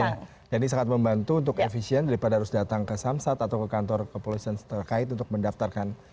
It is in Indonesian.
jadi sangat membantu untuk efisien daripada harus datang ke samsat atau ke kantor kepolisian terkait untuk mendaftarkan